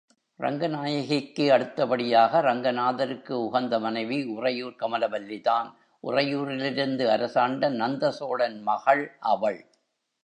ரங்கநாயகிக்கு அடுத்த படியாக ரங்கநாதருக்கு உகந்த மனைவி உறையூர் கமலவல்லிதான், உறையூரிலிருந்து அரசாண்ட நந்தசோழன் மகள் அவள்.